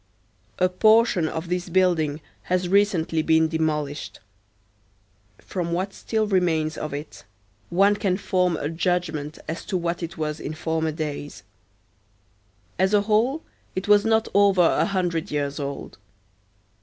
A portion of this building has recently been demolished. From what still remains of it one can form a judgment as to what it was in former days. As a whole, it was not over a hundred years old.